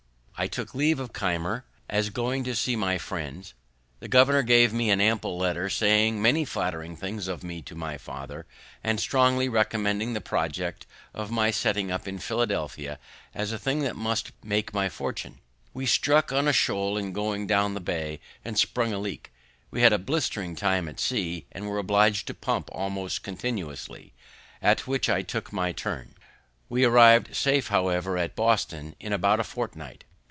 I took leave of Keimer as going to see my friends. The governor gave me an ample letter, saying many flattering things of me to my father, and strongly recommending the project of my setting up at Philadelphia as a thing that must make my fortune. We struck on a shoal in going down the bay, and sprung a leak; we had a blustering time at sea, and were oblig'd to pump almost continually, at which I took my turn. We arriv'd safe, however, at Boston in about a fortnight.